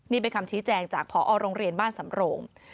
นี่เป็นคำชี้แจงจากพอโรงเรียนบ้านสำโรง